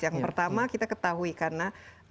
yang pertama kita ketahui karena